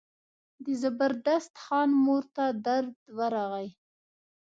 د زبردست خان مور ته درد ورغی.